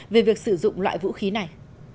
về vũ khí này